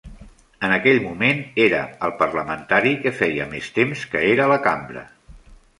En aquell moment era el parlamentari que feia més temps que era a la Cambra.